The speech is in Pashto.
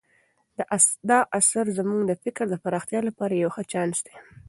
دا اثر زموږ د فکر د پراختیا لپاره یو ښه چانس دی.